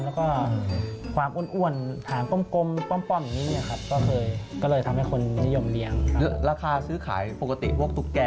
แล้วก็ความอ่วนทางป้อมแบบนี้ครับ